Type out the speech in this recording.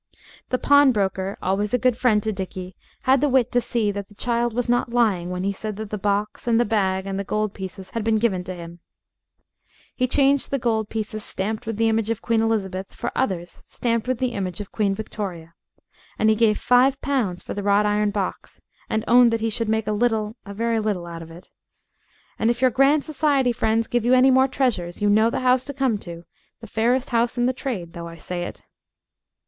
The pawnbroker, always a good friend to Dickie, had the wit to see that the child was not lying when he said that the box and the bag and the gold pieces had been given to him. He changed the gold pieces stamped with the image of Queen Elizabeth for others stamped with the image of Queen Victoria. And he gave five pounds for the wrought iron box, and owned that he should make a little a very little out of it. "And if your grand society friends give you any more treasures, you know the house to come to the fairest house in the trade, though I say it."